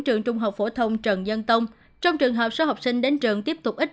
trường trung học phổ thông trần dân tông trong trường hợp số học sinh đến trường tiếp tục ít